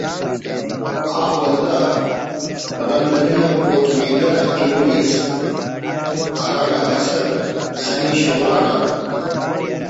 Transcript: آ ولدا رند علی آن کوٹ مینگل آ ہنوئی ئس ہرانا کسر سنی شوران آن